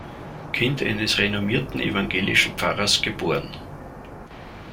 Kind eines renommierten evangelischen Pfarrers geboren.